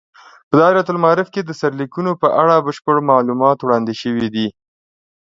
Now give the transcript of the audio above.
په دایرة المعارف کې د سرلیکونو په اړه بشپړ معلومات وړاندې شوي دي.